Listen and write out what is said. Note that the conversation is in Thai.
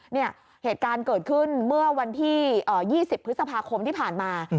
เหตุการณ์เกิดขึ้นเมื่อวันที่๒๐พฤษภาคมที่ผ่านมา